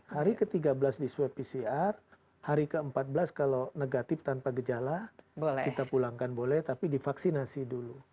hari ke tiga belas di swab pcr hari ke empat belas kalau negatif tanpa gejala kita pulangkan boleh tapi divaksinasi dulu